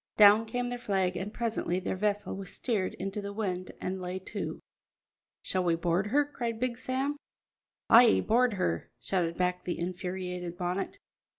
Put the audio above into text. Down came their flag, and presently their vessel was steered into the wind and lay to. "Shall we board her?" cried Big Sam. "Ay, board her!" shouted back the infuriated Bonnet.